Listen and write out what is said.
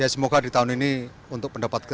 semoga di tahun ini untuk pendapat kita